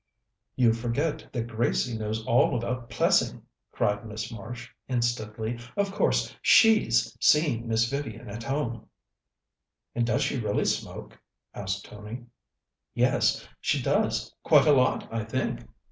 "You forget that Gracie knows all about Plessing," cried Miss Marsh instantly. "Of course, she's seen Miss Vivian at home." "And does she really smoke?" asked Tony. "Yes, she does. Quite a lot, I think."